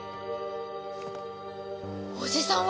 おじさんは。